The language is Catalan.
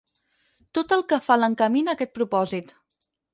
Tot el que fa l'encamina a aquest propòsit.